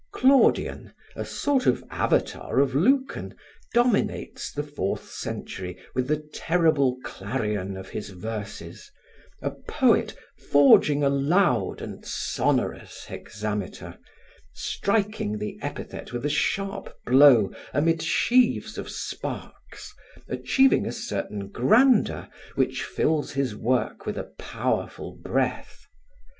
Claudian, a sort of avatar of Lucan, dominates the fourth century with the terrible clarion of his verses: a poet forging a loud and sonorous hexameter, striking the epithet with a sharp blow amid sheaves of sparks, achieving a certain grandeur which fills his work with a powerful breath.